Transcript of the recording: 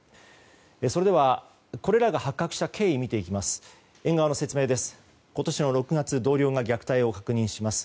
それではこれらが発覚した経緯見ていきます。